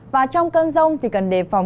và trong cơn rông thì cần đề phòng